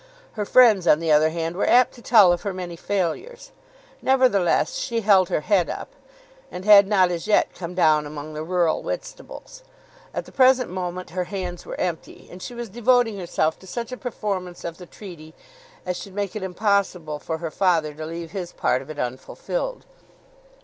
Her friends on the other hand were apt to tell of her many failures. Nevertheless she held her head up, and had not as yet come down among the rural Whitstables. At the present moment her hands were empty, and she was devoting herself to such a performance of the treaty as should make it impossible for her father to leave his part of it unfulfilled.